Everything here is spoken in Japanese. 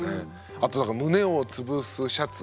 あと胸をつぶすシャツ？